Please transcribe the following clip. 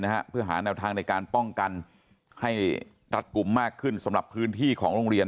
นะฮะเพื่อหาแนวทางในการป้องกันให้รัดกลุ่มมากขึ้นสำหรับพื้นที่ของโรงเรียน